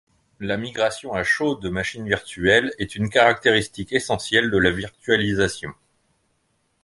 La migration à chaud de machines virtuelles est une caractéristique essentielle de la virtualisation.